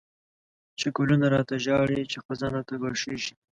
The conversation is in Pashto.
چی ګلونه ړاته ژاړی، چی خزان راته ګواښيږی